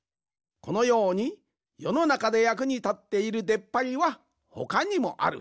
このようによのなかでやくにたっているでっぱりはほかにもある。